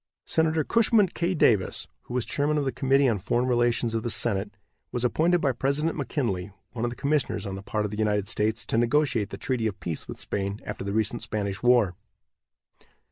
Senator Cushman K. Davis, who was chairman of the committee on foreign relations of the senate, was appointed by President McKinley one of the commissioners on the part of the United States to negotiate the treaty of peace with Spain after the recent Spanish war.